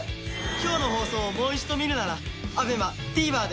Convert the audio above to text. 今日の放送をもう一度見るならＡＢＥＭＡＴＶｅｒで。